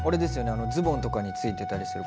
あのズボンとかについてたりする